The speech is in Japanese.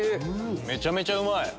めちゃめちゃうまい！